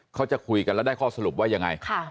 เขาจะคุยกันแล้วได้ข้อสรุปว่ายังไง